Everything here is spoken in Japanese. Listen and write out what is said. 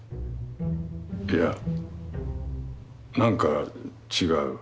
いや何か違う。